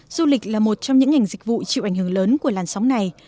du lịch là một trong những ngành dịch vụ chịu ảnh hưởng lớn của làn sóng này